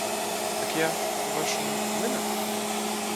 Так я, по-вашому, винен?